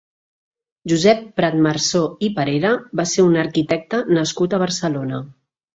Josep Pratmarsó i Parera va ser un arquitecte nascut a Barcelona.